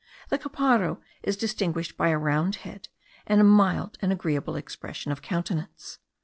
The caparro is distinguished by a round head, and a mild and agreeable expression of countenance.